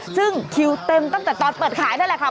ซึ่งคิวเต็มตั้งแต่ตอนเปิดขายนั่นแหละค่ะ